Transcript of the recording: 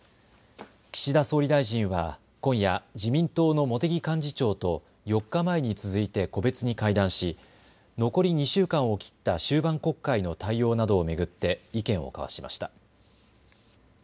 岸田総理大臣は今夜、自民党の茂木幹事長と４日前に続いて個別に会談し、残り２週間を切った終盤国会の対応などを巡って意見を交わしました。